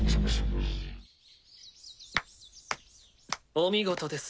お見事です